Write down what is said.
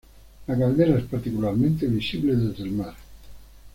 La caldera es particularmente visible desde el mar.